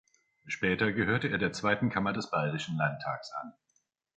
Später gehörte er der zweiten Kammer des Bayerischen Landtags an.